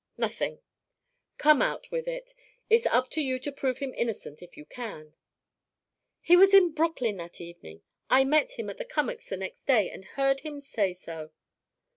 "Nothing." "Come out with it. It's up to you to prove him innocent if you can." "He was in Brooklyn that evening. I met him at the Cummacks' the next day, and heard him say so."